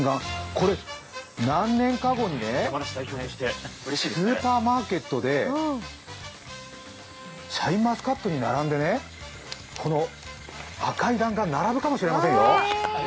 これ何年か後にスーパーマーケットにシャインマスカットに並んでねこの赤い弾丸並ぶかもしれませんよ。